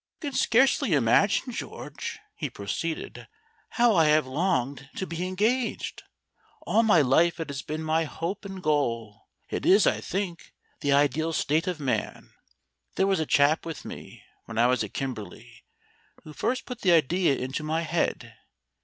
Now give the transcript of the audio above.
"You can scarcely imagine, George," he proceeded, "how I have longed to be engaged. All my life it has been my hope and goal. It is, I think, the ideal state of man. There was a chap with me when I was at Kimberley who first put the idea into my head.